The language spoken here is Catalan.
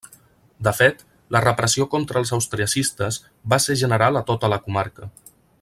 De fet, la repressió contra els austriacistes va ser general a tota la comarca.